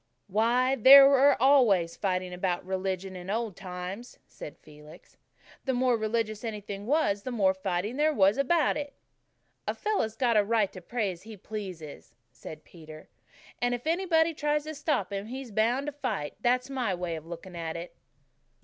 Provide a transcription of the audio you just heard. "Why, they were always fighting about religion in old times," said Felix. "The more religious anything was the more fighting there was about it." "A fellow's got a right to pray as he pleases," said Peter, "and if anybody tries to stop him he's bound to fight. That's my way of looking at it."